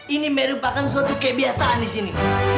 ini merupakan suatu kebiasaan di sini